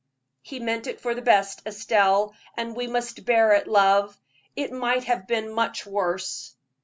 "He meant it for the best, Estelle, and we must bear it, love; it might have been much worse."